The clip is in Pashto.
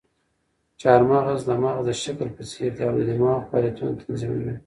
چهارمغز د مغز د شکل په څېر دي او د دماغو فعالیتونه تنظیموي.